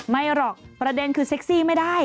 ไม่หรอกประเด็นคือเซ็กซี่ไม่ได้